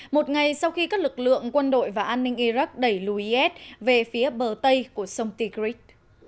một ngày sau khi các lực lượng quân đội và an ninh iraq đẩy lùi is về phía bờ tây của sông tigric